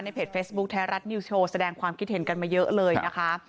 เพจเฟซบุ๊คไทยรัฐนิวโชว์แสดงความคิดเห็นกันมาเยอะเลยนะคะ